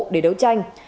để đấu tranh